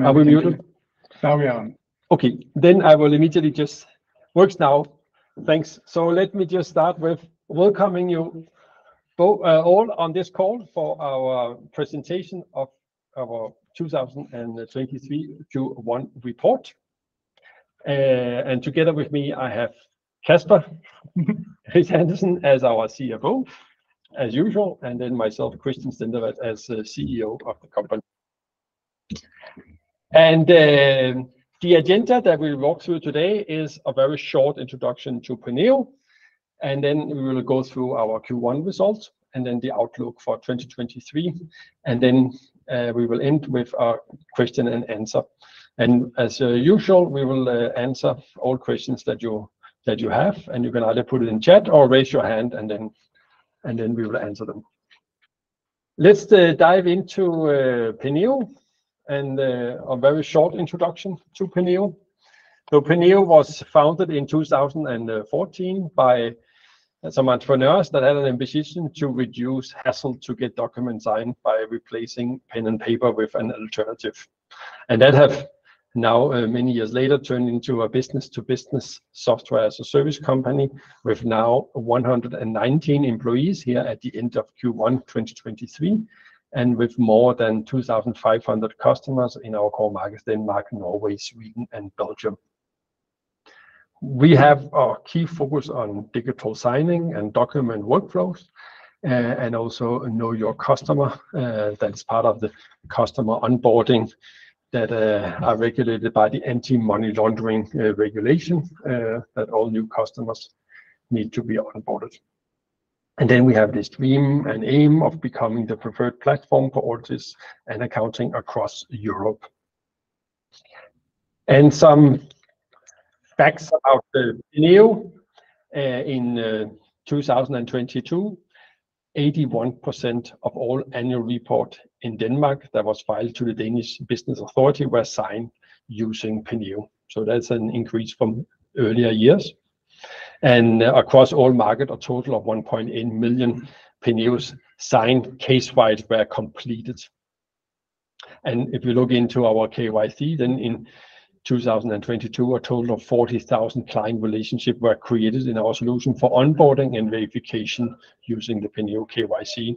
I will mute it. Carry on. I will immediately just. Works now. Thanks. Let me just start with welcoming you all on this call for our presentation of our 2023 Q1 report. Together with me I have Casper Nielsen Christiansen as our CFO, as usual, myself, Christian Stendevad, as CEO of the company. The agenda that we'll walk through today is a very short introduction to Penneo, we will go through our Q1 results, the outlook for 2023, we will end with our question and answer. As usual, we will answer all questions that you have, you can either put it in chat or raise your hand and then we will answer them. Let's dive into Penneo, a very short introduction to Penneo. Penneo was founded in 2014 by some entrepreneurs that had an ambition to reduce hassle to get documents signed by replacing pen and paper with an alternative. That have now, many years later, turned into a business-to-business software as a service company with now 119 employees here at the end of Q1 2023, and with more than 2,500 customers in our core markets, Denmark, Norway, Sweden and Belgium. We have our key focus on digital signing and document workflows, and also Know Your Customer, that's part of the customer onboarding that are regulated by the anti-money laundering regulation, that all new customers need to be onboarded. We have this dream and aim of becoming the preferred platform for audits and accounting across Europe. Some facts about Penneo. In 2022, 81% of all annual report in Denmark that was filed to the Danish Business Authority were signed using Penneo. Across all market, a total of 1.8 million Penneos signed case file were completed. If you look into our KYC, in 2022, a total of 40,000 client relationship were created in our solution for onboarding and verification using the Penneo KYC.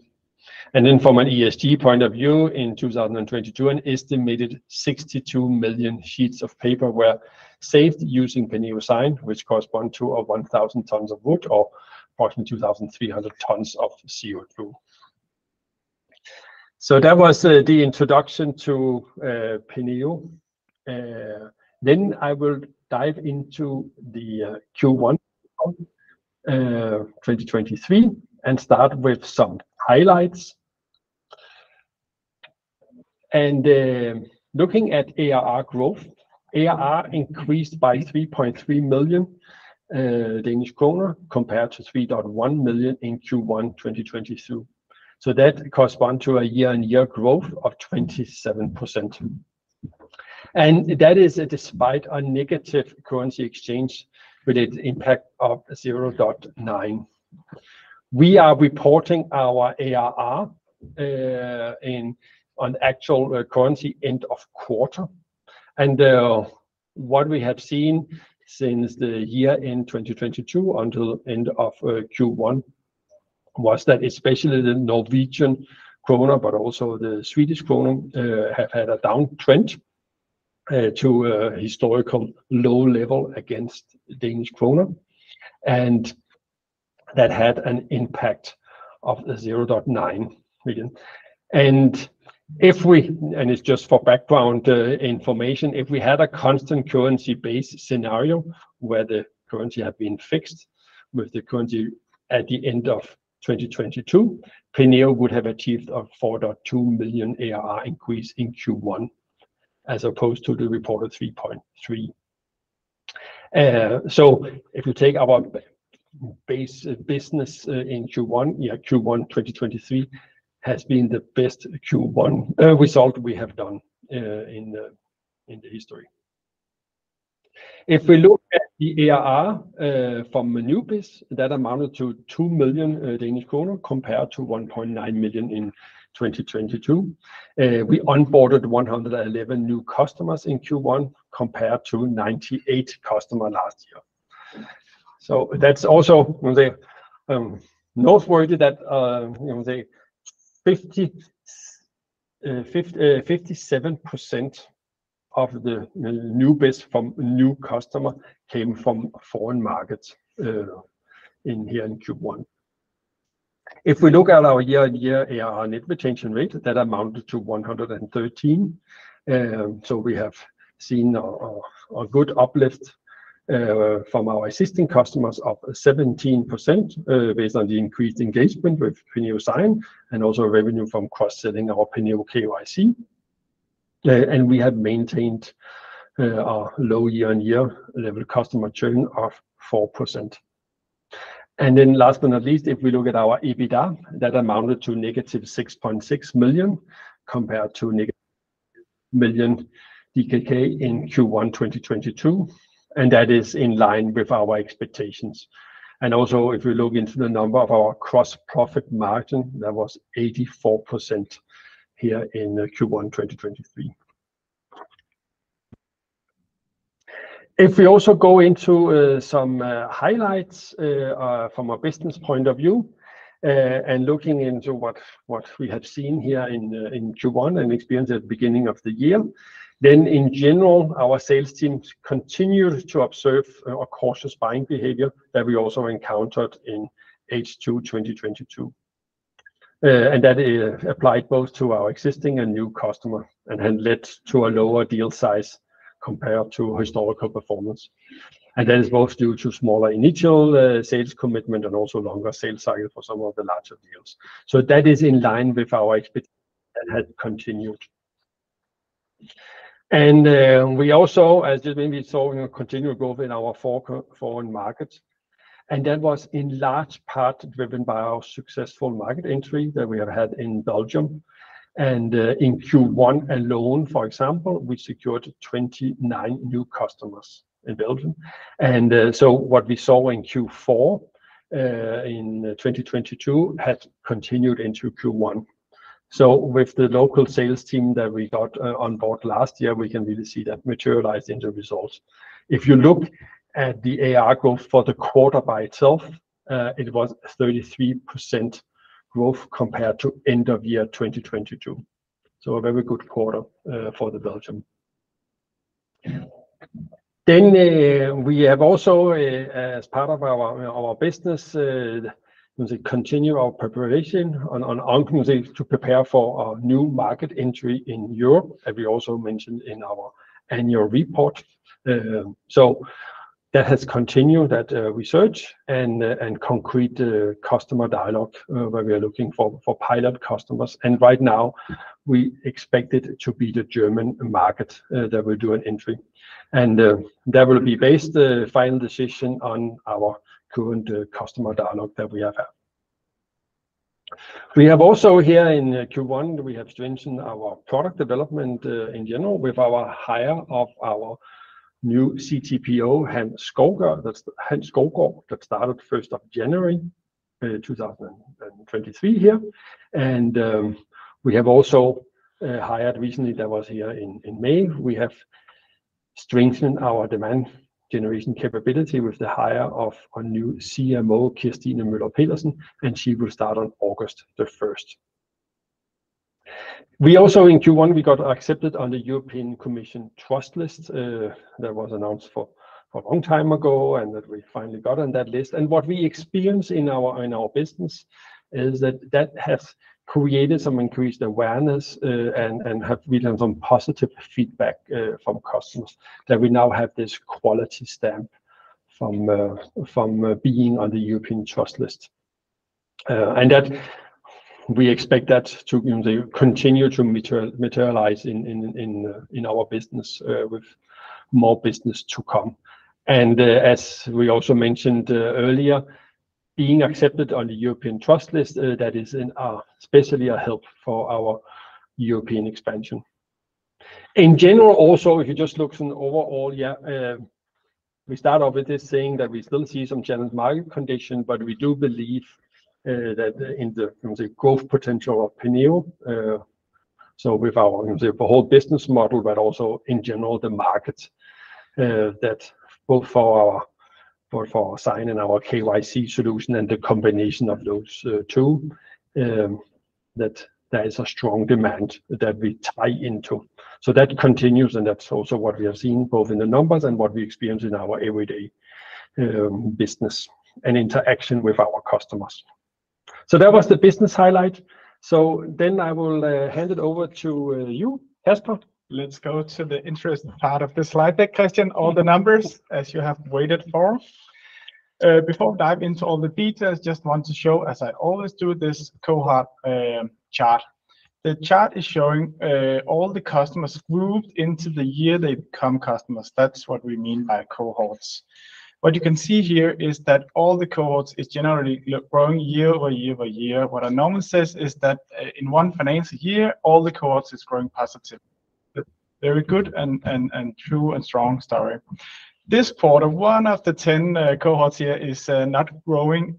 From an ESG point of view, in 2022, an estimated 62 million sheets of paper were saved using Penneo Sign, which correspond to 1,000 tons of wood or approximately 2,300 tons of CO2. That was the introduction to Penneo. I will dive into the Q1 2023. Start with some highlights. Looking at ARR growth, ARR increased by 3.3 million Danish kroner compared to 3.1 million in Q1 2022. That correspond to a year-on-year growth of 27%. That is despite a negative currency exchange with an impact of 0.9. We are reporting our ARR in on actual currency end of quarter. What we have seen since the year-end 2022 until end of Q1 was that especially the Norwegian kroner, but also the Swedish kroner have had a downtrend to a historical low level against Danish krone, and that had an impact of 0.9 million. It's just for background information. If we had a constant currency base scenario where the currency had been fixed with the currency at the end of 2022, Penneo would have achieved a 4.2 million ARR increase in Q1 as opposed to the reported 3.3 million. If you take our base business in Q1, yeah, Q1 2023 has been the best Q1 result we have done in the history. If we look at the ARR from new biz, that amounted to 2 million Danish kroner compared to 1.9 million in 2022. We onboarded 111 new customers in Q1 compared to 98 customer last year. That's also noteworthy that the 57% of the new biz from new customer came from foreign markets in here in Q1. If we look at our year-on-year ARR net retention rate, that amounted to 113. We have seen a good uplift from our existing customers, up 17%, based on the increased engagement with Penneo Sign and also revenue from cross-selling our Penneo KYC. We have maintained our low year-on-year level customer churn of 4%. Last but not least, if we look at our EBITDA, that amounted to negative 6.6 million compared to negative million DKK in Q1 2022, and that is in line with our expectations. If you look into the number of our Gross profit margin, that was 84% here in Q1 2023. We also go into some highlights from a business point of view, and looking into what we have seen here in Q1 and experienced at the beginning of the year, in general, our sales team continued to observe a cautious buying behavior that we also encountered in H2 2022. That applied both to our existing and new customer and had led to a lower deal size compared to historical performance. That is both due to smaller initial sales commitment and also longer sales cycle for some of the larger deals. That is in line with our that had continued. We also, as you maybe saw, you know, continued growth in our foreign markets, and that was in large part driven by our successful market entry that we have had in Belgium in Q1 alone, for example, we secured 29 new customers in Belgium. What we saw in Q4 in 2022 has continued into Q1. With the local sales team that we got on board last year, we can really see that materialized into results. If you look at the ARR growth for the quarter by itself, it was 33% growth compared to end of year 2022. A very good quarter for the Belgium. We have also as part of our business, let me say continued our preparation on ongoing sales to prepare for our new market entry in Europe, as we also mentioned in our annual report. That has continued that research and concrete customer dialogue, where we are looking for pilot customers. Right now we expect it to be the German market, that we're doing entry, and that will be based, the final decision, on our current customer dialogue that we have had. We have also here in Q1, we have strengthened our product development in general with our hire of our new CTPO, Hans Skovgaard. That's Hans Skovgaard that started first of January, 2023 here. We have also hired recently, that was here in May, we have strengthened our demand generation capability with the hire of a new CMO, Kirstine Møller Pedersen, and she will start on August the first. We also in Q1, we got accepted on the European Commission Trust List, that was announced for a long time ago and that we finally got on that list. What we experience in our business is that that has created some increased awareness and have returned some positive feedback from customers that we now have this quality stamp from being on the European Trust List. That we expect that to continue to materialize in our business with more business to come. As we also mentioned earlier, being accepted on the European trust list, that is in especially a help for our European expansion. In general also, if you just look from the overall, we start off with this saying that we still see some challenging market condition, but we do believe that in the growth potential of Penneo, so with our whole business model, but also in general the market, that both for our sign and our KYC solution and the combination of those two, that there is a strong demand that we tie into. That continues and that's also what we have seen both in the numbers and what we experience in our everyday business and interaction with our customers. That was the business highlight. I will hand it over to you, Casper. Let's go to the interesting part of the slide deck, Christian, all the numbers as you have waited for. Before we dive into all the details, just want to show as I always do this cohort chart. The chart is showing all the customers grouped into the year they become customers. That's what we mean by cohorts. What you can see here is that all the cohorts is generally growing year over year over year. What a normal says is that in one financial year, all the cohorts is growing positive. Very good and true and strong story. This quarter, one of the 10 cohorts here is not growing,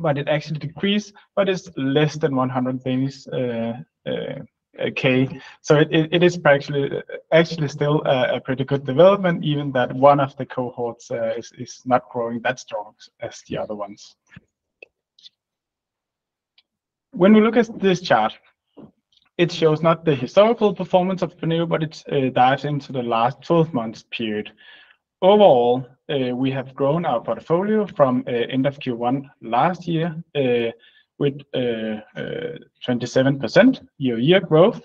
but it actually decreased, but it's less than 100, K. It is actually still a pretty good development even that one of the cohorts is not growing that strong as the other ones. We look at this chart, it shows not the historical performance of Penneo, but it dives into the last 12 months period. Overall, we have grown our portfolio from end of Q1 last year with 27% year-over-year growth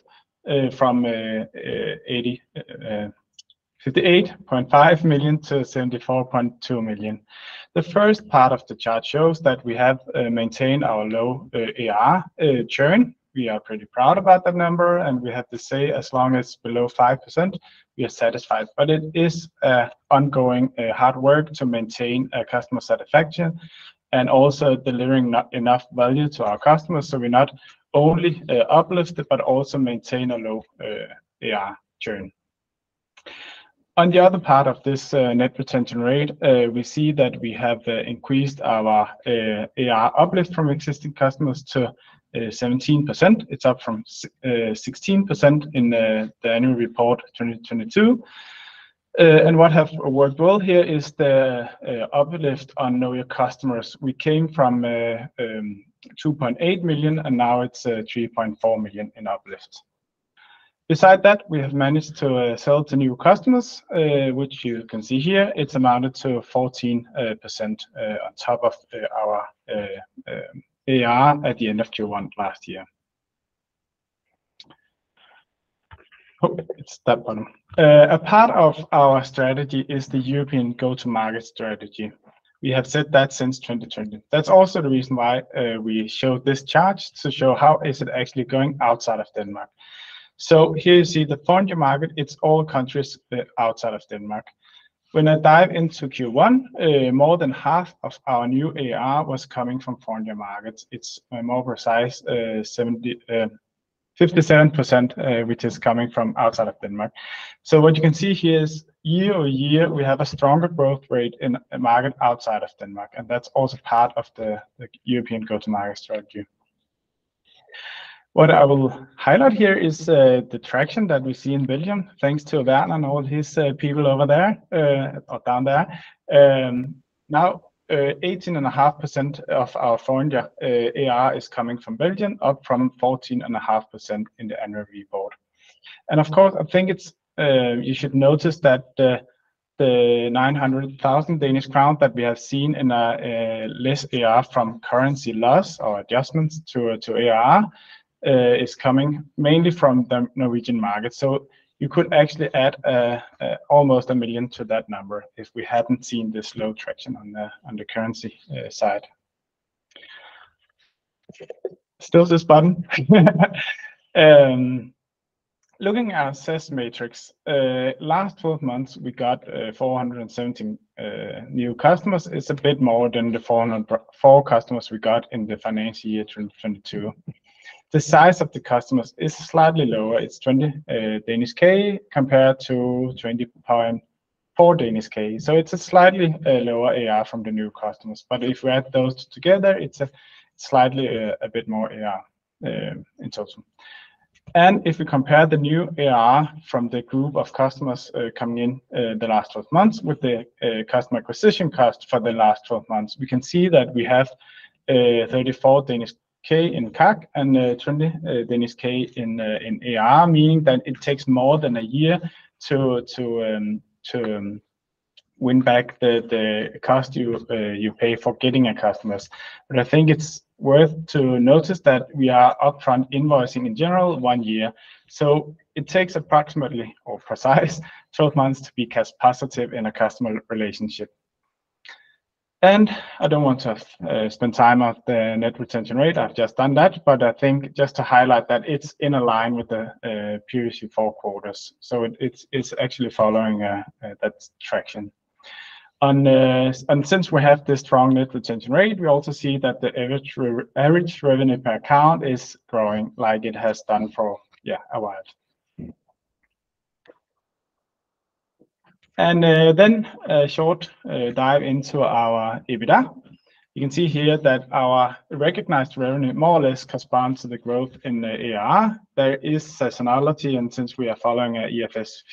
from 58.5 million to 74.2 million. The first part of the chart shows that we have maintained our low ARR churn. We are pretty proud about that number, and we have to say as long as below 5% we are satisfied. It is ongoing hard work to maintain customer satisfaction and also delivering enough value to our customers so we're not only uplift but also maintain a low ARR churn. On the other part of this net retention rate, we see that we have increased our ARR uplift from existing customers to 17%. It's up from 16% in the annual report 2022. What have worked well here is the uplift on Know Your Customer. We came from 2.8 million, and now it's 3.4 million in uplift. Beside that, we have managed to sell to new customers, which you can see here. It's amounted to 14% on top of our ARR at the end of Q1 last year. Oh, it's that button. A part of our strategy is the European go-to-market strategy. We have said that since 2020. That's also the reason why we showed this chart to show how is it actually going outside of Denmark. Here you see the foreign market. It's all countries outside of Denmark. When I dive into Q1, more than half of our new ARR was coming from foreign markets. It's more precise, 57%, which is coming from outside of Denmark. What you can see here is year-over-year, we have a stronger growth rate in market outside of Denmark, and that's also part of the European go-to-market strategy. What I will highlight here is the traction that we see in Belgium, thanks to Werner and all his people over there or down there. Now, 18.5% of our foreign AR is coming from Belgium, up from 14.5% in the annual report. Of course, I think it's, you should notice that the 900,000 Danish crown that we have seen in a less AR from currency loss or adjustments to AR, is coming mainly from the Norwegian market. You could actually add almost 1 million to that number if we hadn't seen this low traction on the currency side. Still this button. Looking at our SaaS metrics, last 12 months, we got 417 new customers. It's a bit more than the 404 customers we got in the financial year 2022. The size of the customers is slightly lower. It's 20 thousand compared to 20.4 thousand. It's a slightly lower AR from the new customers. If we add those together, it's a slightly a bit more AR in total. If we compare the new AR from the group of customers coming in the last 12 months with the customer acquisition cost for the last 12 months, we can see that we have 34 thousand in CAC and 20 thousand in AR, meaning that it takes more than a year to win back the cost you pay for getting customers. I think it's worth to notice that we are upfront invoicing in general one year. It takes approximately or precise 12 months to be cash positive in a customer relationship. I don't want to spend time on the net retention rate. I've just done that. I think just to highlight that it's in a line with the previous four quarters. It's actually following that traction. Since we have this strong net retention rate, we also see that the average revenue per account is growing like it has done for, yeah, a while. Then a short dive into our EBITDA. You can see here that our recognized revenue more or less corresponds to the growth in the AR. There is seasonality, and since we are following IFRS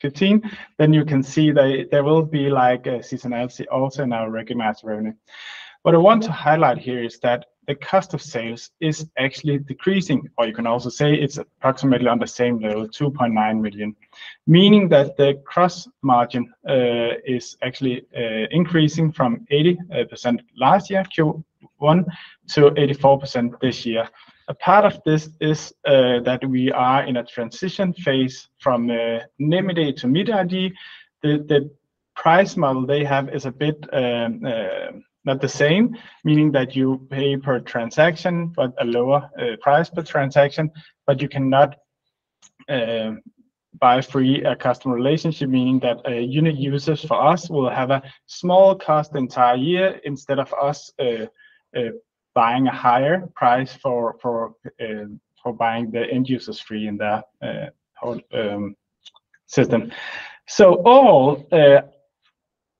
15, then you can see there will be like seasonality also in our recognized revenue. What I want to highlight here is that the cost of sales is actually decreasing, or you can also say it's approximately on the same level, 2.9 million, meaning that the gross margin is actually increasing from 80% last year, Q1, to 84% this year. A part of this is that we are in a transition phase from NemID to MitID. The price model they have is a bit not the same, meaning that you pay per transaction, but a lower price per transaction, but you cannot buy free a customer relationship, meaning that a unit users for us will have a small cost entire year instead of us buying a higher price for buying the end users free in that whole system. All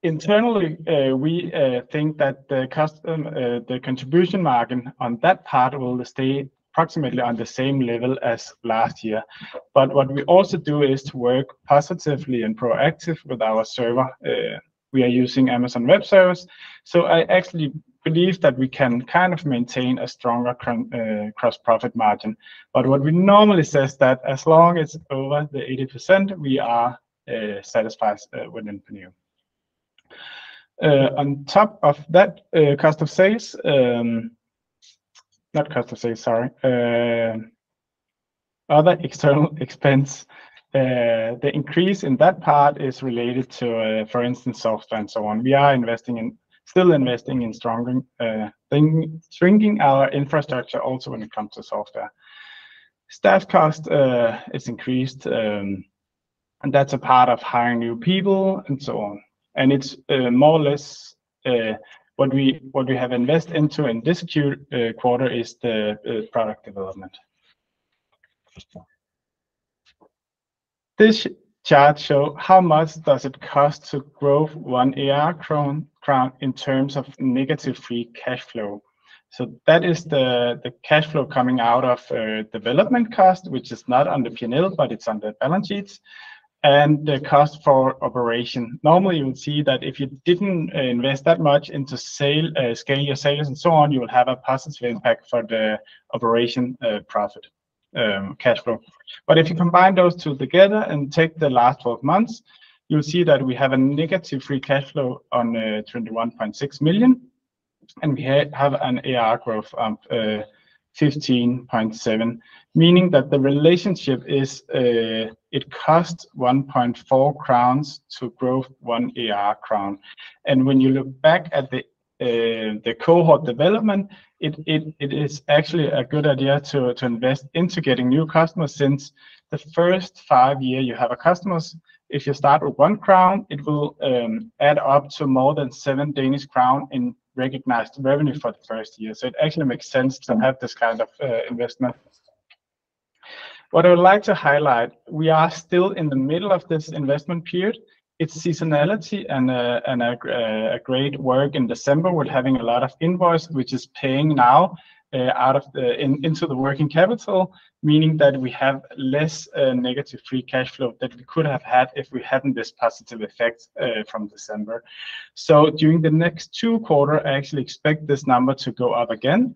internally, we think that the contribution margin on that part will stay approximately on the same level as last year. What we also do is to work positively and proactive with our server. We are using Amazon Web Services, I actually believe that we can kind of maintain a stronger Gross profit margin. What we normally says that as long as it's over the 80%, we are satisfied with in Penneo. On top of that, cost of sales, not cost of sales, sorry, other external expense, the increase in that part is related to, for instance, software and so on. We are investing in, still investing in stronger, shrinking our infrastructure also when it comes to software. Staff cost is increased, and that's a part of hiring new people and so on. It's more or less what we have invest into in this Q quarter is the product development. This chart show how much does it cost to grow one ARR krone in terms of negative free cash flow. That is the cash flow coming out of development cost, which is not under P&L, but it's under balance sheets. The cost for operation. Normally you would see that if you didn't invest that much into scale your sales and so on, you would have a positive impact for the operation profit cash flow. If you combine those two together and take the last 12 months, you'll see that we have a negative free cash flow on 21.6 million, and we have an ARR growth of 15.7%, meaning that the relationship is, it costs 1.4 crowns to grow 1 crown ARR. When you look back at the cohort development, it is actually a good idea to invest into getting new customers since the first five year you have a customers, if you start with 1 crown, it will add up to more than 7 Danish crown in recognized revenue for the first year. It actually makes sense to have this kind of investment. What I would like to highlight, we are still in the middle of this investment period. It's seasonality and a great work in December. We're having a lot of invoice which is paying now into the working capital, meaning that we have less negative free cash flow that we could have had if we hadn't this positive effect from December. During the next two quarter, I actually expect this number to go up again.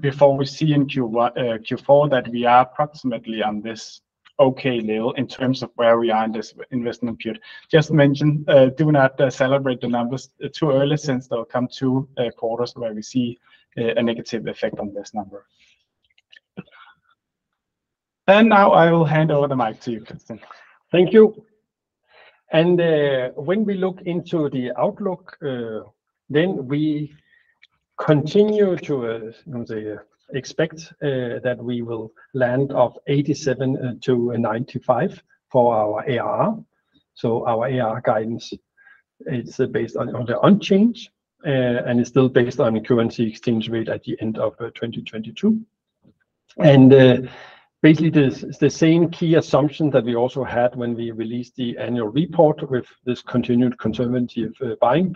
Before we see in Q4 that we are approximately on this okay level in terms of where we are in this investment period. Just mention, do not celebrate the numbers too early since there will come two quarters where we see a negative effect on this number. Now I will hand over the mic to you, Christian. Thank you. When we look into the outlook, then we continue to Expect that we will land of 87-95 for our ARR. Our ARR guidance is based on the unchanged, and it's still based on the currency exchange rate at the end of 2022. Basically this is the same key assumption that we also had when we released the annual report with this continued conservative buying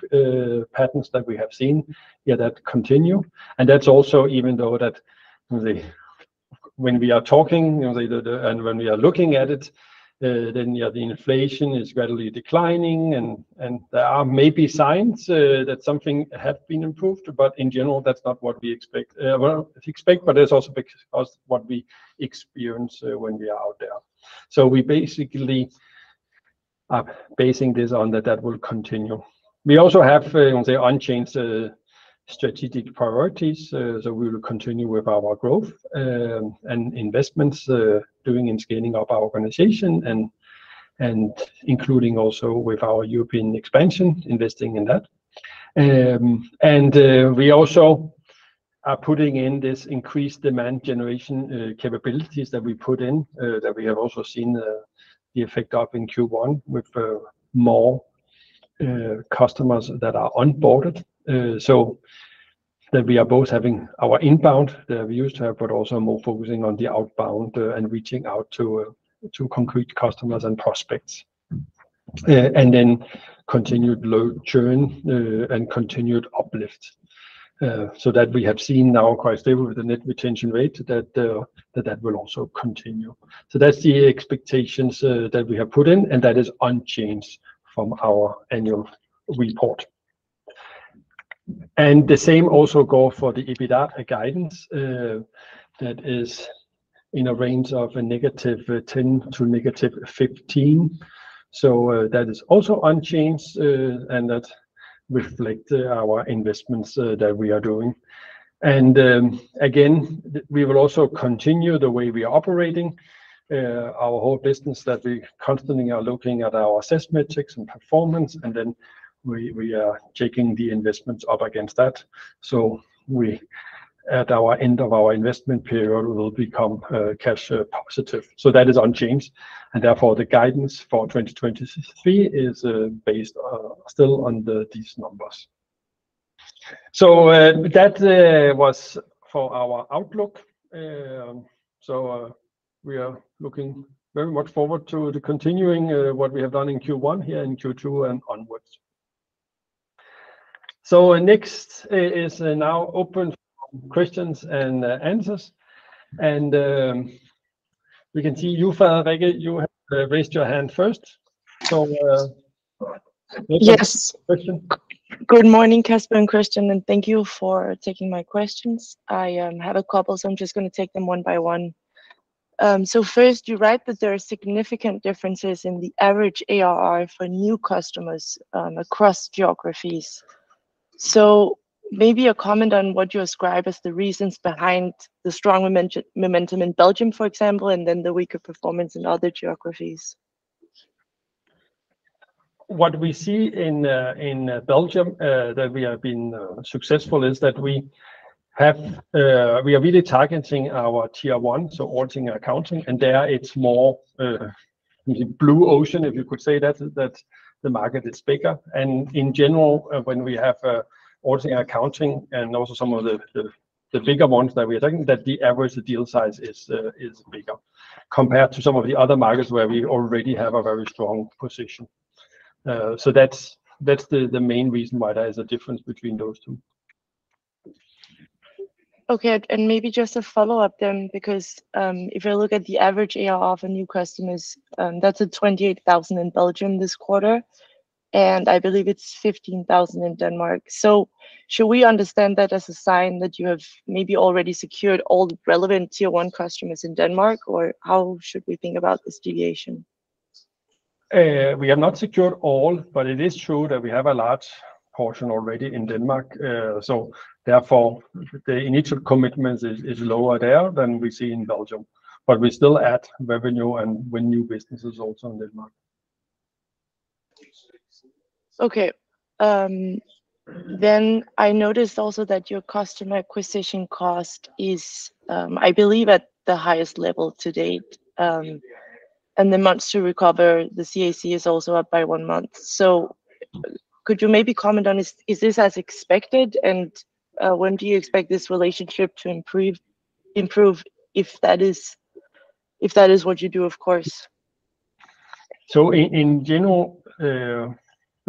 patterns that we have seen, yeah, that continue. That's also even though that when we are talking, you know, and when we are looking at it, then, yeah, the inflation is gradually declining and there are maybe signs that something have been improved, but in general, that's not what we expect. Well, expect, but it's also because what we experience when we are out there. We basically are basing this on that will continue. We also have, how do you say? Unchanged strategic priorities, so we will continue with our growth and investments, doing and scaling up our organization and including also with our European expansion, investing in that. We also are putting in this increased demand generation capabilities that we put in, that we have also seen the effect of in Q1 with more customers that are onboarded, so that we are both having our inbound that we used to have, but also more focusing on the outbound and reaching out to concrete customers and prospects. And then continued low churn and continued uplift so that we have seen now quite stable with the net retention rate that will also continue. That's the expectations that we have put in, and that is unchanged from our annual report. The same also go for the EBITDA guidance that is in a range of a -10% to -15%. That is also unchanged, and that reflect our investments that we are doing. Again, we will also continue the way we are operating our whole business that we constantly are looking at our assessment checks and performance, and then we are checking the investments up against that. We, at our end of our investment period, will become cash positive. That is unchanged, and therefore the guidance for 2023 is based still on these numbers. That was for our outlook. We are looking very much forward to the continuing what we have done in Q1 here in Q2 and onwards. Next is now open questions and answers. We can see you, Farah Rege, you have raised your hand first Yes. Question. Good morning, Casper and Christian. Thank you for taking my questions. I have a couple. I'm just gonna take them one by one. First, you write that there are significant differences in the average ARR for new customers across geographies. Maybe a comment on what you ascribe as the reasons behind the strong momentum in Belgium, for example, and then the weaker performance in other geographies. What we see in Belgium that we have been successful is that we have we are really targeting our tier one, so auditing and accounting, and there it's more blue ocean, if you could say that the market is bigger. In general, when we have auditing and accounting and also some of the bigger ones that we are talking, that the average deal size is bigger compared to some of the other markets where we already have a very strong position. So that's the main reason why there is a difference between those two. Okay. Maybe just a follow-up then, because, if you look at the average AR of a new customers, that's at 28,000 in Belgium this quarter, and I believe it's 15,000 in Denmark. Should we understand that as a sign that you have maybe already secured all the relevant tier one customers in Denmark, or how should we think about this deviation? We have not secured all, but it is true that we have a large portion already in Denmark. Therefore the initial commitment is lower there than we see in Belgium. We still add revenue and win new businesses also in Denmark. Okay. I noticed also that your customer acquisition cost is, I believe at the highest level to date. The months to recover the CAC is also up by one month. Could you maybe comment on is this as expected? When do you expect this relationship to improve if that is what you do, of course? In, in general, the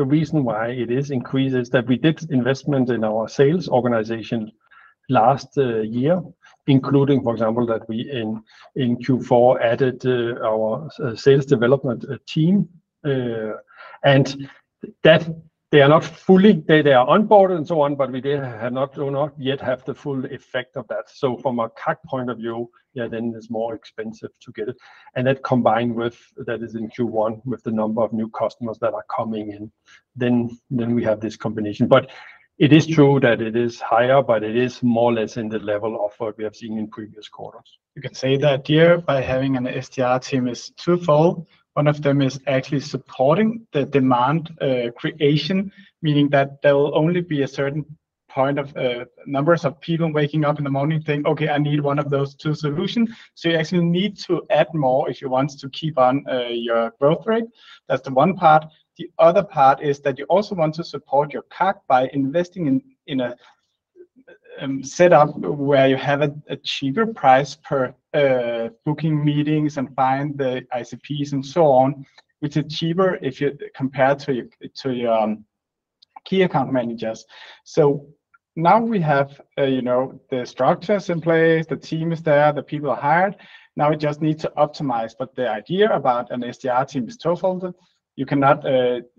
reason why it is increased is that we did investment in our sales organization last year, including, for example, that we in Q4 added our sales development team. That they are not fully. They are on board and so on, but we do not yet have the full effect of that. From a CAC point of view, yeah, then it's more expensive to get it. That combined with, that is in Q1, with the number of new customers that are coming in, then we have this combination. It is true that it is higher, but it is more or less in the level of what we have seen in previous quarters. You can say the idea by having an SDR team is twofold. One of them is actually supporting the demand creation, meaning that there will only be a certain point of numbers of people waking up in the morning saying, "Okay, I need one of those two solutions." You actually need to add more if you want to keep on your growth rate. That's the one part. The other part is that you also want to support your CAC by investing in a setup where you have a cheaper price per booking meetings and find the ICPs and so on, which is cheaper if you compared to your key account managers. Now we have, you know, the structures in place, the team is there, the people are hired. Now we just need to optimize. The idea about an SDR team is twofold. You cannot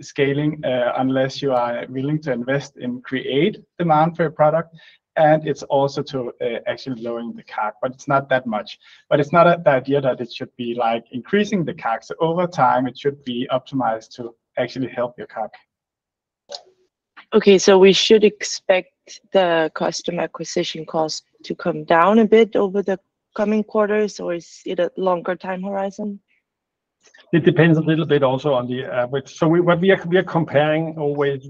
scaling unless you are willing to invest and create demand for a product. It's also to actually lowering the CAC, but it's not that much. It's not the idea that it should be like increasing the CAC. Over time, it should be optimized to actually help your CAC. We should expect the customer acquisition costs to come down a bit over the coming quarters, or is it a longer time horizon? It depends a little bit also on the average. What we are, we are comparing always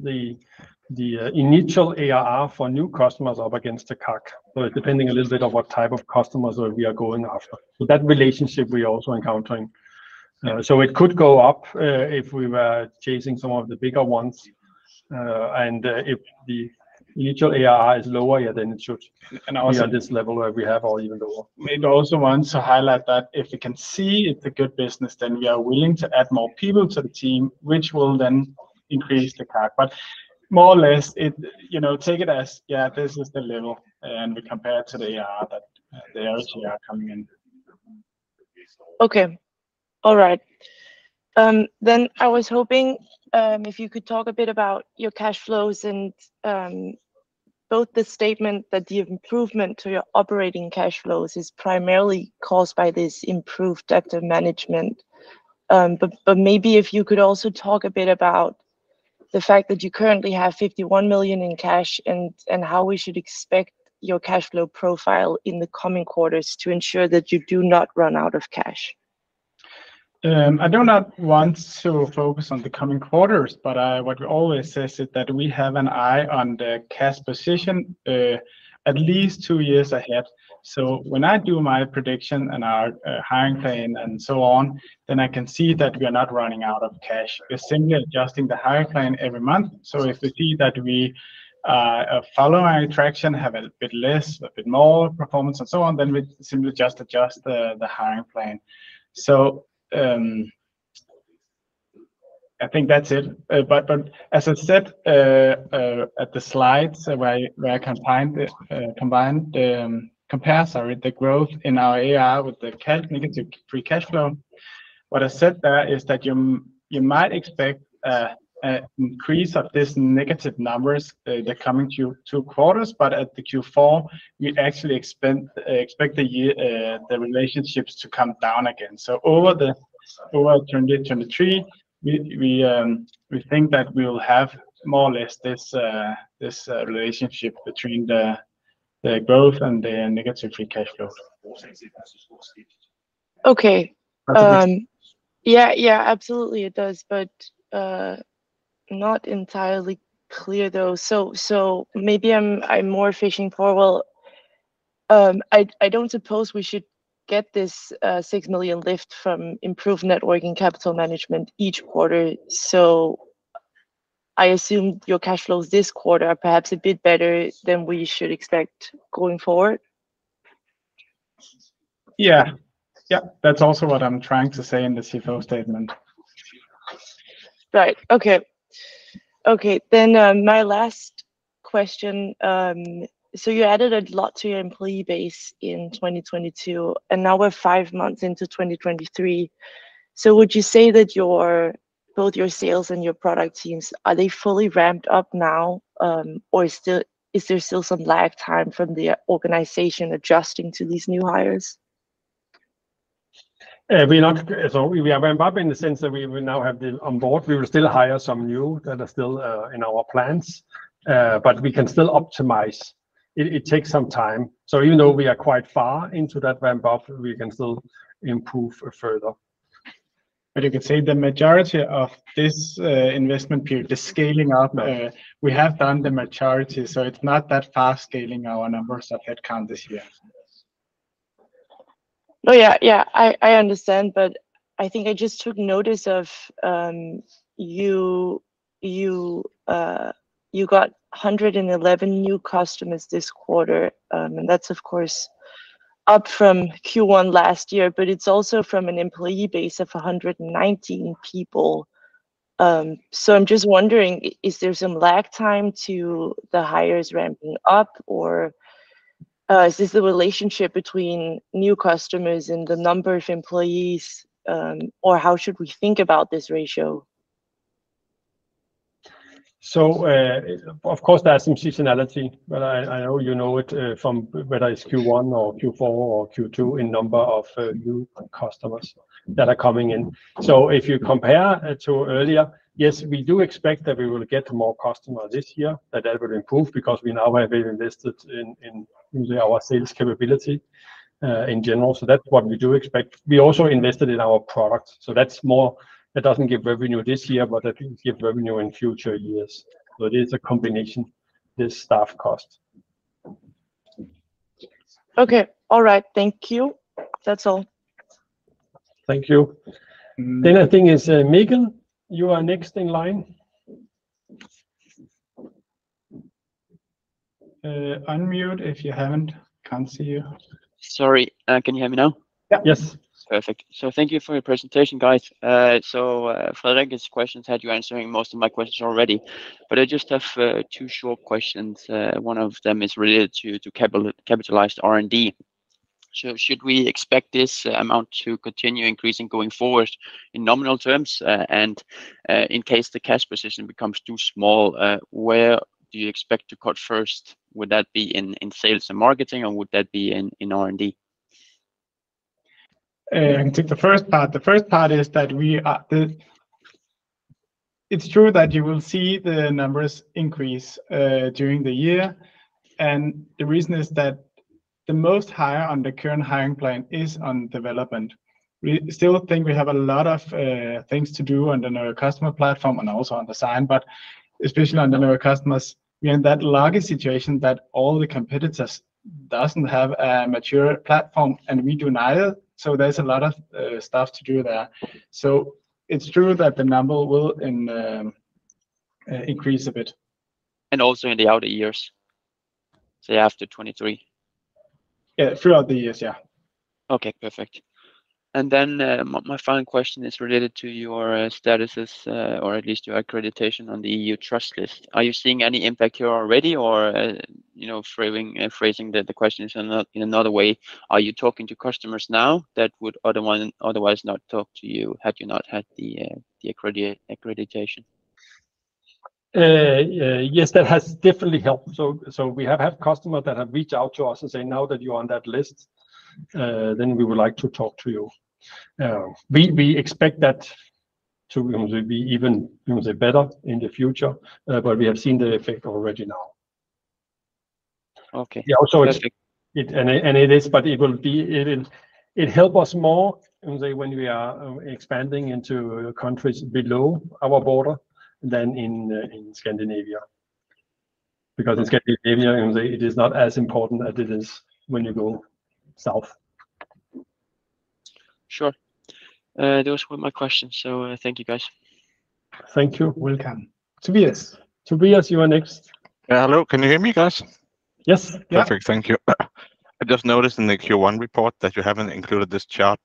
the initial ARR for new customers up against the CAC, but depending a little bit on what type of customers that we are going after. That relationship we are also encountering. It could go up if we were chasing some of the bigger ones. If the initial ARR is lower, yeah, then it should be at this level where we have or even lower. Maybe I also want to highlight that if we can see it's a good business, then we are willing to add more people to the team, which will then increase the CAC. More or less, you know, take it as, yeah, this is the level and we compare to the ARR that the SDR coming in. Okay. All right. I was hoping if you could talk a bit about your cash flows and both the statement that the improvement to your operating cash flows is primarily caused by this improved debt management. Maybe if you could also talk a bit about the fact that you currently have 51 million in cash and how we should expect your cash flow profile in the coming quarters to ensure that you do not run out of cash. I do not want to focus on the coming quarters, what we always says is that we have an eye on the cash position, at least two years ahead. When I do my prediction and our hiring plan and so on, then I can see that we are not running out of cash. We're simply adjusting the hiring plan every month. If we see that we, following our traction, have a bit less, a bit more performance and so on, then we simply just adjust the hiring plan. I think that's it. But as I said, at the slides where I, where I compare, sorry, the growth in our ARR with the negative free cash flow. What I said there is that you might expect a increase of this negative numbers, the coming two quarters. At the Q4, we actually expect the relationships to come down again. Over 2023, we think that we will have more or less this relationship between the growth and the negative free cash flow. Okay. Yeah, absolutely it does. Not entirely clear though. Maybe I'm more fishing for, well, I don't suppose we should get this 6 million lift from improved networking capital management each quarter. I assume your cash flows this quarter are perhaps a bit better than we should expect going forward? Yeah. Yeah. That's also what I'm trying to say in the CFO statement. Right. Okay. Okay, my last question. You added a lot to your employee base in 2022, and now we're five months into 2023. Would you say that your, both your sales and your product teams, are they fully ramped up now, or is there still some lag time from the organization adjusting to these new hires? We are ramp up in the sense that we now have them on board. We will still hire some new that are still in our plans, but we can still optimize. It takes some time, so even though we are quite far into that ramp up, we can still improve further. You can say the majority of this investment period, the scaling up, we have done the majority, so it's not that fast scaling our numbers of headcount this year. No, yeah. I understand, but I think I just took notice of, you got 111 new customers this quarter. That's of course up from Q1 last year, but it's also from an employee base of 119 people. I'm just wondering, is there some lag time to the hires ramping up, or is this the relationship between new customers and the number of employees, or how should we think about this ratio? Of course there's some seasonality, but I know you know it, from whether it's Q1 or Q4 or Q2 in number of new customers that are coming in. If you compare to earlier, yes, we do expect that we will get more customers this year, that will improve because we now have invested in usually our sales capability, in general. That's what we do expect. We also invested in our product, that's more. That doesn't give revenue this year, but that will give revenue in future years. It is a combination, the staff cost. Okay. All right. Thank you. That's all. Thank you. I think it's Miguel, you are next in line. Unmute if you haven't. Can't see you. Sorry. Can you hear me now? Yeah. Yes. Perfect. Thank you for your presentation, guys. Frederik's questions had you answering most of my questions already, but I just have two short questions. One of them is related to capitalized R&D. Should we expect this amount to continue increasing going forward in nominal terms? In case the cash position becomes too small, where do you expect to cut first? Would that be in sales and marketing, or would that be in R&D? I can take the first part. The first part is that we, it's true that you will see the numbers increase during the year, the reason is that the most hire on the current hiring plan is on development. We still think we have a lot of things to do on the Penneo customer platform and also on design, but especially on the Penneo customers. We're in that lucky situation that all the competitors doesn't have a mature platform, and we do neither, there's a lot of stuff to do there. It's true that the number will increase a bit. Also in the outer years, say after 2023? Yeah, throughout the years, yeah. Okay. Perfect. My final question is related to your statuses, or at least your accreditation on the EU Trusted List. Are you seeing any impact here already or, you know, phrasing the question in a, in another way, are you talking to customers now that would otherwise not talk to you had you not had the accreditation? Yes, that has definitely helped. We have had customers that have reached out to us and say, "Now that you're on that list, then we would like to talk to you." We expect that to be even, I would say, better in the future, but we have seen the effect already now. Okay. Yeah, also Perfect. It is, but it will be. It helps us more, I would say, when we are expanding into countries below our border than in Scandinavia because in Scandinavia, I would say, it is not as important as it is when you go south. Sure. Those were my questions. Thank you guys. Thank you. Welcome. Tobias. Tobias, you are next. Yeah. Hello. Can you hear me, guys? Yes. Yeah. Perfect. Thank you. I just noticed in the Q1 report that you haven't included this chart,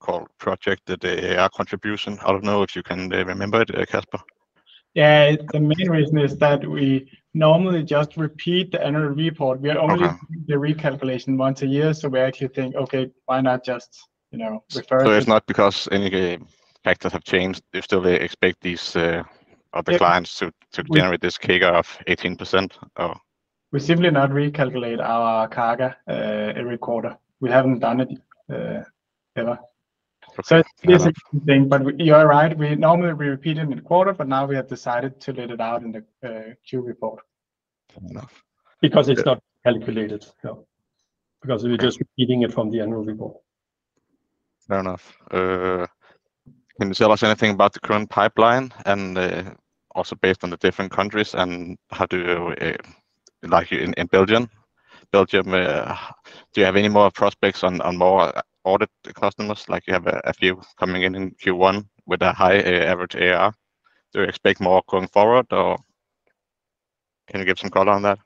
called project, the AR contribution. I don't know if you can remember it, Casper. The main reason is that we normally just repeat the annual report. Okay. We are only the recalculation once a year, so we actually think, "Okay, why not just, you know, refer to it? It's not because any factors have changed, you still expect these, or the clients to generate this CAGR of 18% or? We simply not recalculate our CAGR every quarter. We haven't done it ever. Okay. It is a good thing, but you are right. We normally repeat it in quarter, but now we have decided to leave it out in the Q report. Fair enough. It's not calculated. No. We're just repeating it from the annual report. Fair enough. Can you tell us anything about the current pipeline and also based on the different countries and how do, like in Belgium, do you have any more prospects on more audit customers? Like you have a few coming in in Q1 with a high average ARR. Do you expect more going forward, or? Can you give some color on that?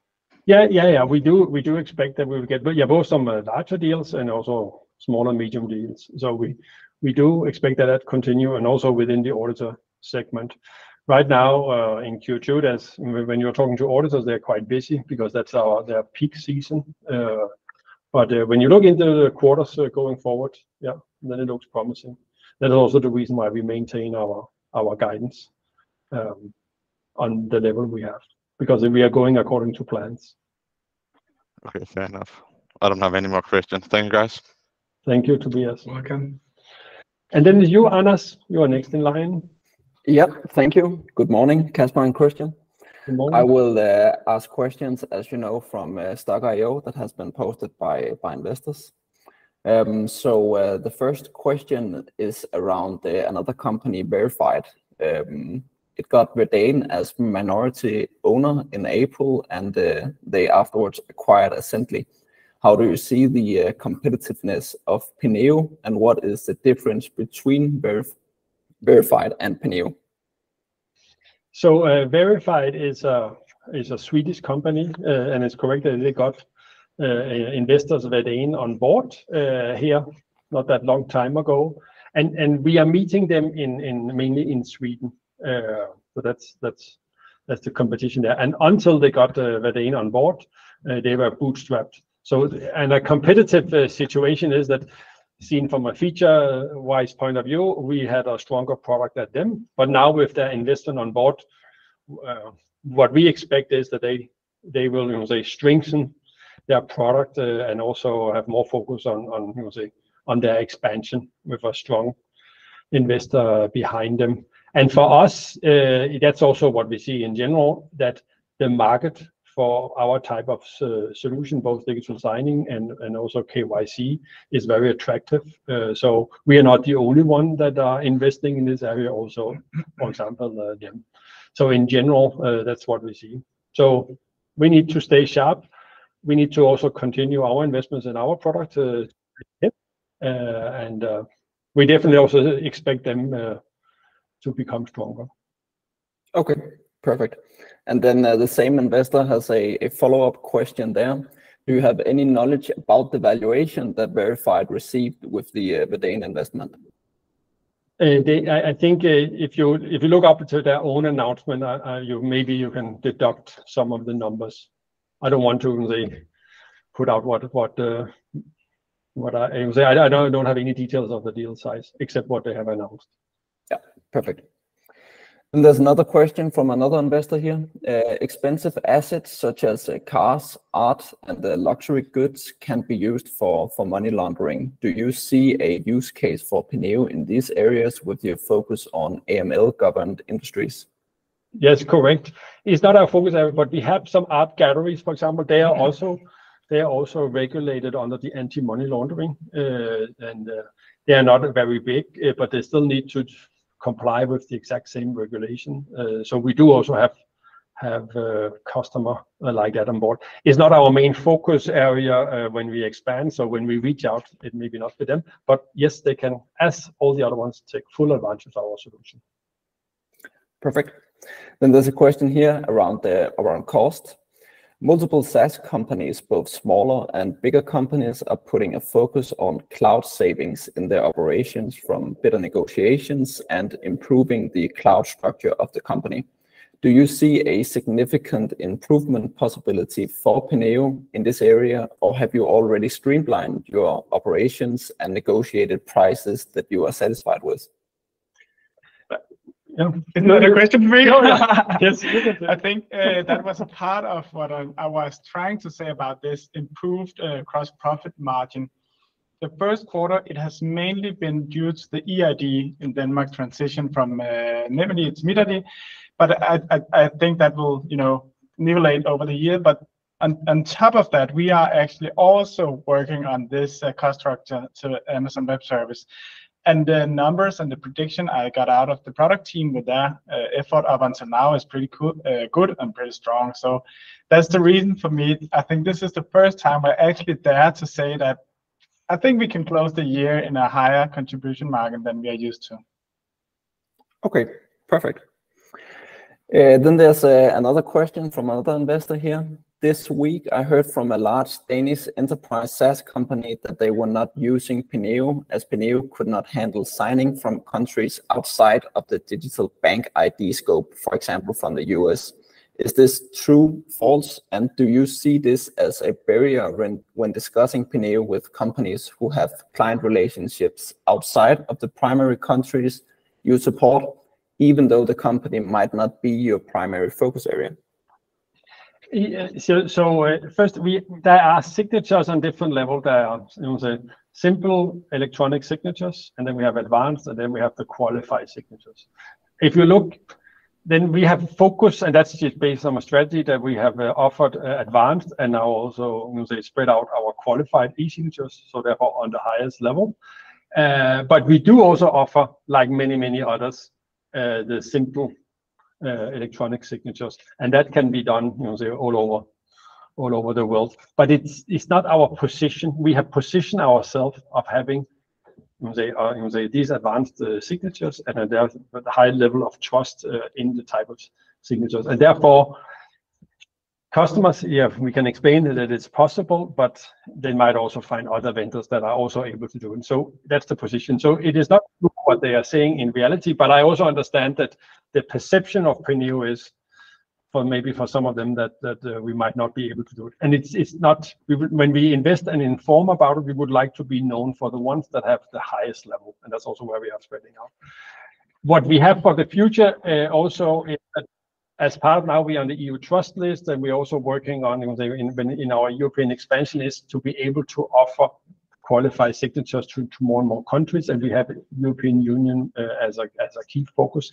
Yeah. Yeah, yeah. We do expect that we will get, but yeah, both some larger deals and also small and medium deals. We do expect that continue and also within the auditor segment. Right now, in Q2, as when you're talking to auditors, they're quite busy because that's their peak season. When you look into the quarters going forward, yeah, it looks promising. That is also the reason why we maintain our guidance on the level we have, because we are going according to plans. Okay. Fair enough. I don't have any more questions. Thank you, guys. Thank you, Tobias. Welcome. You, Anas. You are next in line. Yep. Thank you. Good morning, Casper and Christian. Good morning. I will ask questions, as you know, from Stock io that has been posted by investors. The first question is around another company, Verified. It got Verdane as minority owner in April, and they afterwards acquired Signio. How do you see the competitiveness of Penneo, and what is the difference between Verified and Penneo? Verified is a Swedish company, and it's correct that they got investors Verdane on board here not that long time ago. We are meeting them in mainly in Sweden. That's the competition there. Until they got Verdane on board, they were bootstrapped. A competitive situation is that seen from a feature-wise point of view, we had a stronger product than them. Now with their investment on board, what we expect is that they will, you know say, strengthen their product and also have more focus on, you know say, on their expansion with a strong investor behind them. For us, that's also what we see in general, that the market for our type of solution, both digital signing and also KYC, is very attractive. We are not the only one that are investing in this area also, for example, them. In general, that's what we see. We need to stay sharp. We need to also continue our investments in our product, and we definitely also expect them to become stronger. Okay. Perfect. The same investor has a follow-up question there. Do you have any knowledge about the valuation that Verified received with the Verdane investment? I think if you look up to their own announcement, maybe you can deduct some of the numbers. I don't want to really put out what I mean, I don't have any details of the deal size except what they have announced. Yeah. Perfect. There's another question from another investor here. Expensive assets such as cars, art, and luxury goods can be used for money laundering. Do you see a use case for Penneo in these areas with your focus on AML-governed industries? Correct. It's not our focus area, but we have some art galleries, for example. They are also regulated under the anti-money laundering. They are not very big, but they still need to comply with the exact same regulation. We do also have a customer like that on board. It's not our main focus area, when we expand, so when we reach out it may be not for them, but yes, they can, as all the other ones, take full advantage of our solution. Perfect. There's a question here around cost. Multiple SaaS companies, both smaller and bigger companies, are putting a focus on cloud savings in their operations from better negotiations and improving the cloud structure of the company. Do you see a significant improvement possibility for Penneo in this area, or have you already streamlined your operations and negotiated prices that you are satisfied with? Well, is that a question for me? Yes. I think that was a part of what I was trying to say about this improved Gross profit margin. The 1st quarter, it has mainly been due to the eID in Denmark transition from NemID to MitID. I think that will, you know, nullate over the year. On top of that, we are actually also working on this cost structure to Amazon Web Services. The numbers and the prediction I got out of the product team with that effort up until now is pretty good and pretty strong. That's the reason for me. I think this is the 1st time I actually dare to say that I think we can close the year in a higher contribution margin than we are used to. Okay. Perfect. Then there's another question from another investor here. This week, I heard from a large Danish enterprise SaaS company that they were not using Penneo, as Penneo could not handle signing from countries outside of the digital bank ID scope, for example, from the U.S. Is this true, false? Do you see this as a barrier when discussing Penneo with companies who have client relationships outside of the primary countries you support, even though the company might not be your primary focus area? Yeah. first, there are signatures on different level. There are, you know say, simple electronic signatures, and then we have advanced, and then we have the qualified signatures. We have focused, and that's just based on a strategy that we have offered advanced and now also, you know say, spread out our qualified e-signatures, so therefore on the highest level. We do also offer, like many, many others, the simple, electronic signatures, and that can be done, you know say, all over the world. It's not our position. We have positioned ourself of They are, you know, these advanced, signatures, and they're, but the high level of trust in the type of signatures. Therefore, customers, yeah, we can explain that it is possible, but they might also find other vendors that are also able to do it. That's the position. It is not what they are saying in reality, but I also understand that the perception of Penneo is for, maybe for some of them that we might not be able to do it. When we invest and inform about it, we would like to be known for the ones that have the highest level, and that's also where we are spreading out. What we have for the future, also is as part now we are on the EU Trusted List, and we're also working on, you know, in our European expansion is to be able to offer qualified signatures to more and more countries. We have European Union as a key focus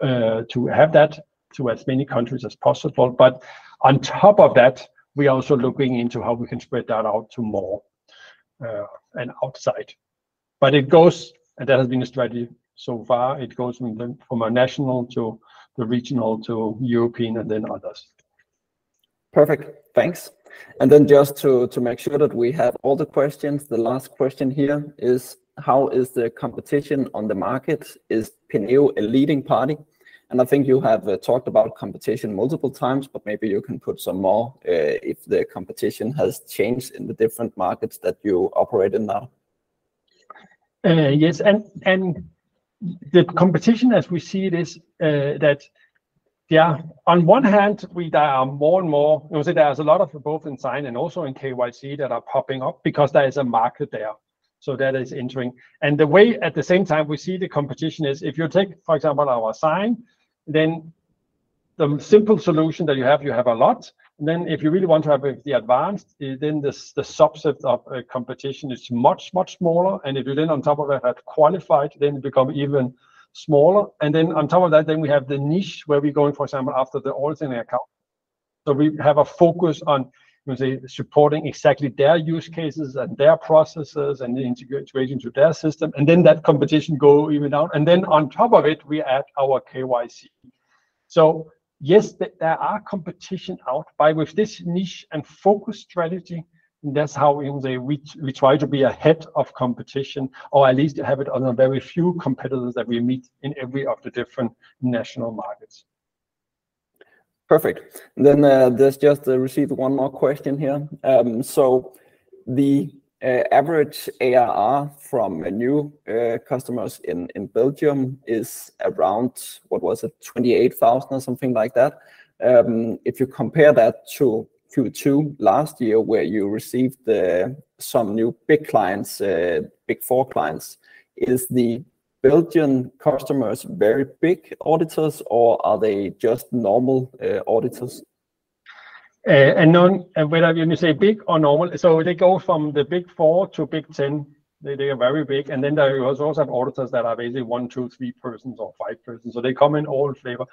to have that to as many countries as possible. On top of that, we are also looking into how we can spread that out to more and outside. It goes, and that has been a strategy so far. It goes from a national to the regional to European and then others. Perfect. Thanks. Then just to make sure that we have all the questions, the last question here is, how is the competition on the market? Is Penneo a leading party? I think you have talked about competition multiple times, but maybe you can put some more if the competition has changed in the different markets that you operate in now. Yes. The competition as we see it is that, yeah, on one hand we, there are more and more, you know, say there's a lot of both in sign and also in KYC that are popping up because there is a market there. That is entering. The way at the same time we see the competition is if you take, for example, our sign, then the simple solution that you have a lot. If you really want to have the advanced, then the subset of competition is much, much smaller. If you then on top of that have qualified, then it become even smaller. Then on top of that, then we have the niche where we going, for example, after the alternate account. We have a focus on, you know, say supporting exactly their use cases and their processes and the integration to their system. That competition go even out. On top of it, we add our KYC. Yes, there are competition out. With this niche and focus strategy, that's how we try to be ahead of competition or at least have it on a very few competitors that we meet in every of the different national markets. Perfect. there's just received one more question here. The average ARR from new customers in Belgium is around, what was it? 28,000 or something like that. If you compare that to Q2 last year where you received some new Big Four clients, is the Belgian customers very big auditors, or are they just normal auditors? Whenever when you say big or normal, so they go from the Big Four to Big Ten. They are very big. Then there you also have auditors that are basically one, two, three persons or five persons. So they come in all flavor.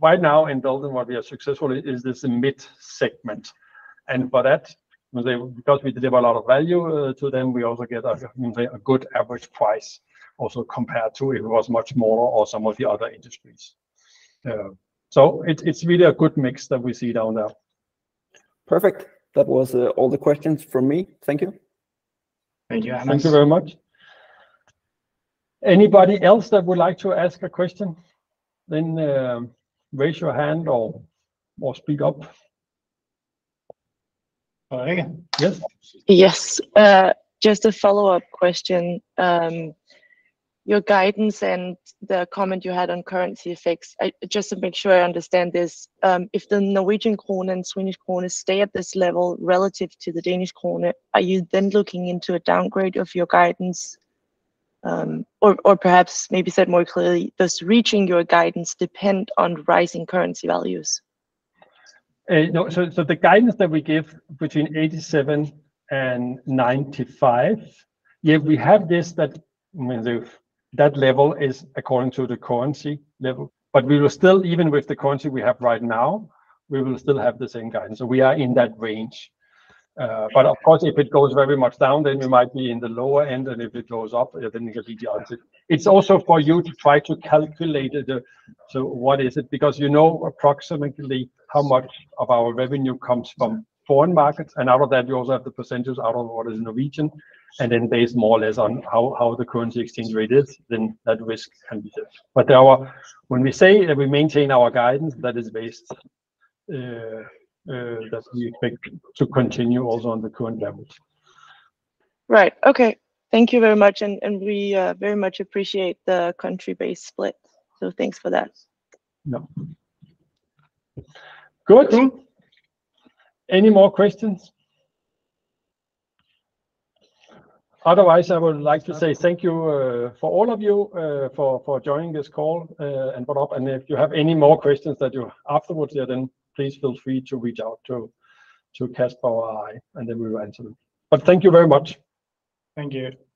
Right now in Belgium, what we are successful is this mid segment. For that, you know, say, because we deliver a lot of value, to them, we also get a, you know, say, a good average price also compared to if it was much more or some of the other industries. It's really a good mix that we see down there. Perfect. That was all the questions from me. Thank you. Thank you, Hans. Thank you very much. Anybody else that would like to ask a question, then, raise your hand or speak up. Regan. Yes. Yes. Just a follow-up question. Your guidance and the comment you had on currency effects, just to make sure I understand this, if the Norwegian krone and Swedish krone stay at this level relative to the Danish krone, are you then looking into a downgrade of your guidance? Or perhaps maybe said more clearly, does reaching your guidance depend on rising currency values? No. The guidance that we give between 87 and 95, that level is according to the currency level. We will still, even with the currency we have right now, we will still have the same guidance. We are in that range. Of course, if it goes very much down, then we might be in the lower end. If it goes up, then it will be the opposite. It's also for you to try to calculate it. What is it? Because you know approximately how much of our revenue comes from foreign markets. Out of that, you also have the percentage out of what is Norwegian. Based more or less on how the currency exchange rate is, then that risk can be there. When we say that we maintain our guidance, that is based that we expect to continue also on the current levels. Right. Okay. Thank you very much. We very much appreciate the country-based split, so thanks for that. No. Good. Any more questions? Otherwise, I would like to say thank you for all of you for joining this call and put up. If you have any more questions that you afterwards here, then please feel free to reach out to Casper or I, and then we will answer them. Thank you very much. Thank you.